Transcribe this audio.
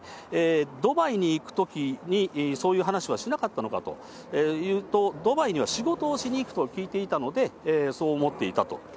ドバイに行くときにそういう話はしなかったのかと、ドバイには仕事をしにいくと聞いていたので、そう思っていたと。